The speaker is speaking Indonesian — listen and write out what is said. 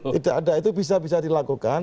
tidak ada itu bisa bisa dilakukan